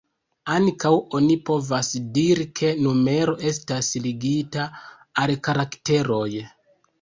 Ankaŭ oni povas diri ke numero estas ligita al karakteroj.